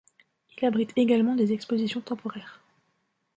Il abrite également des expositions temporaires.